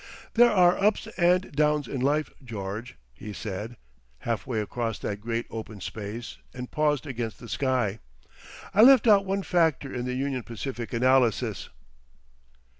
"There are ups and downs in life, George," he said—halfway across that great open space, and paused against the sky.... "I left out one factor in the Union Pacific analysis."